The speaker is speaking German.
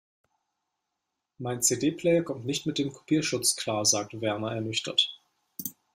Mein CD-Player kommt nicht mit dem Kopierschutz klar, sagt Werner ernüchtert.